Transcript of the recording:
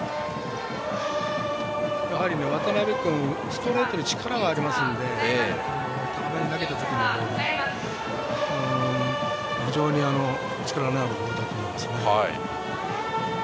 やはり渡邉君はストレートに力がありますので高めに投げた時のボール非常に力のあるボールだと思います。